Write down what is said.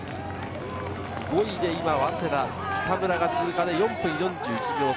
５位で今、早稲田・北村が通過で４分４１秒差。